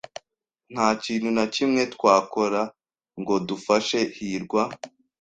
Nta kintu na kimwe twakora ngo dufashe hirwa?